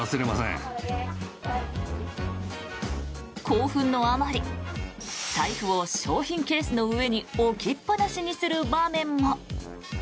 興奮のあまり財布を商品ケースの上に置きっぱなしにする場面も。